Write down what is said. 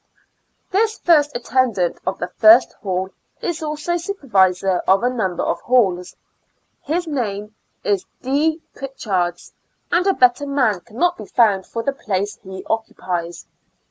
This first attendant of the first hall is also supervisor of a number of halls. His n,ame is D. Pritchards, and a better man cannot be found for the place he occupies.